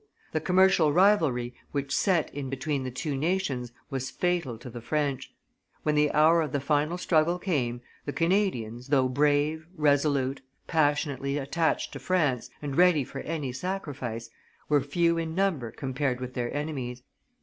The commercial rivalry which set in between the two nations was fatal to the French; when the hour of the final struggle came, the Canadians, though brave, resolute, passionately attached to France, and ready for any sacrifice, were few in number compared with their enemies.